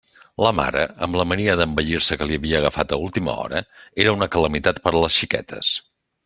La mare, amb la mania d'embellir-se que li havia agafat a última hora, era una calamitat per a les xiquetes.